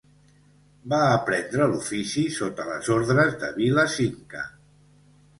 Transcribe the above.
Va aprendre l'ofici sota les ordres de Vila Cinca.